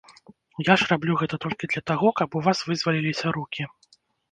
Я ж раблю гэта толькі для таго, каб у вас вызваліліся рукі.